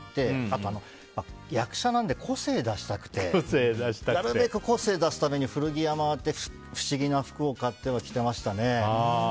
あと役者なんで個性を出したくてなるべく個性を出すために古着屋回って不思議な服を買っては着てましたね。